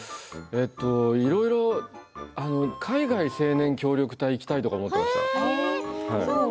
いろいろ海外青年協力隊に行きたいと思っていました。